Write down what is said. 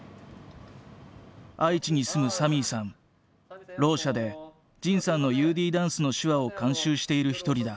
愛知に住むろう者で仁さんのＵＤダンスの手話を監修している一人だ。